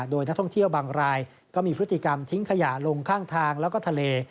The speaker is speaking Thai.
โดยนักท่องเที่ยวบางรายก็มีพฤติกรรมทิ้งขยะลงข้างทางแล้วก็ทะเล